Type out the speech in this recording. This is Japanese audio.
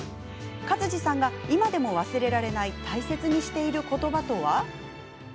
勝地さんが今でも忘れられない大切にしている言葉とは？